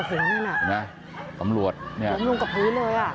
โอ้โหนั่นแหละน่ะตำรวจเนี้ยเดินลงกับพื้นเลยอ่ะ